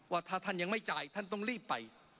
ว่าถ้าท่านยังไม่จ่ายท่านต้องรีบไป